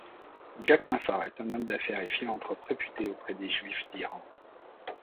Jack Mahfar est un homme d'affaires et philanthrope réputé auprès des Juifs d'Iran.